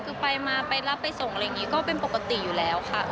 คือไปมาไปรับไปส่งอะไรอย่างนี้ก็เป็นปกติอยู่แล้วค่ะ